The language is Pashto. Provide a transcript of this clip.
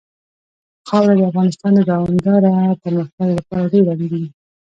خاوره د افغانستان د دوامداره پرمختګ لپاره ډېر اړین دي.